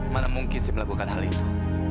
mana mungkin si melakukan hal itu